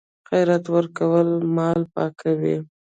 خیرات ورکول مال پاکوي.